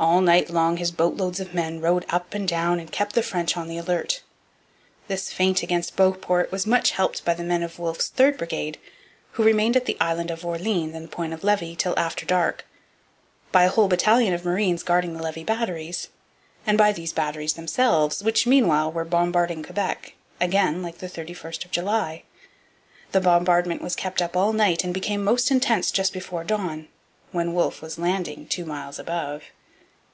All night long his boatloads of men rowed up and down and kept the French on the alert. This feint against Beauport was much helped by the men of Wolfe's third brigade, who remained at the island of Orleans and the Point of Levy till after dark, by a whole battalion of marines guarding the Levis batteries, and by these batteries themselves, which, meanwhile, were bombarding Quebec again like the 31st of July. The bombardment was kept up all night and became most intense just before dawn, when Wolfe was landing two miles above.